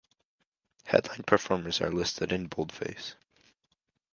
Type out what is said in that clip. Headline performers are listed in boldface.